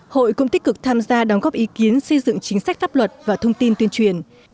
hội cũng tích cực tham gia đóng góp ý kiến xây dựng chính sách pháp luật và thông tin tuyên truyền